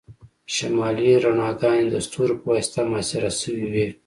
شمالي رڼاګانې د ستورو په واسطه محاصره شوي وي